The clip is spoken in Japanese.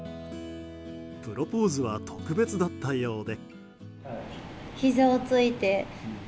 プロポーズは特別だったようで。